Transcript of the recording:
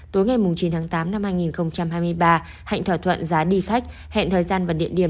tối ngày chín tháng tám năm hai nghìn hai mươi ba hạnh thỏa thuận giá đi khách hẹn thời gian và địa điểm